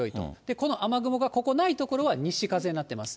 この雨雲が、ここ、ない所は西風になってます。